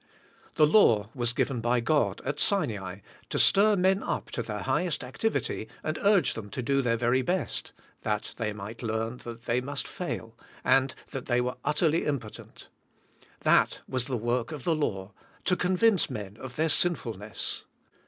The law was g iven by God, at Sinai, to stir men up to their hig hest activity, and urg e them to do their very best, that they mig ht learn that they must fail, and that they were utterly impotent. That was the work of the law—to convince men of their sinfulness.